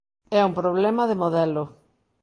É un problema de modelo.